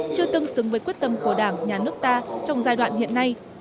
chưa tương xứng với quyết tâm của đảng nhà nước ta trong giai đoạn hiện nay